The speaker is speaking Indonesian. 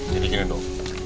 jadi gini dong